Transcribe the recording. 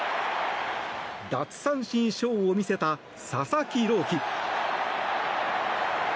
奪三振ショーを見せた佐々木朗希。